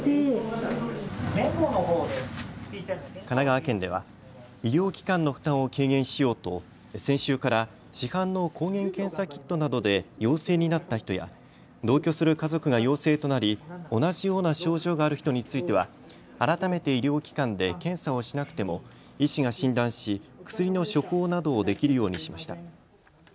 神奈川県では医療機関の負担を軽減しようと先週から市販の抗原検査キットなどで陽性になった人や同居する家族が陽性となり同じような症状がある人については改めて医療機関で検査をしなくても医師が診断し薬の処方などをできるようにしました。